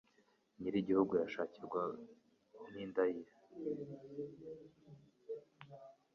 Nyiri igihugu yashakirwa n'inda ye,